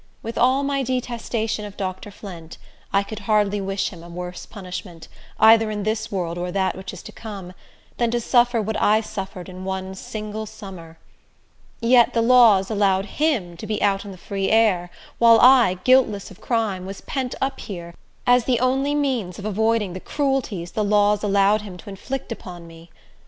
With all my detestation of Dr. Flint, I could hardly wish him a worse punishment, either in this world or that which is to come, than to suffer what I suffered in one single summer. Yet the laws allowed him to be out in the free air, while I, guiltless of crime, was pent up here, as the only means of avoiding the cruelties the laws allowed him to inflict upon me!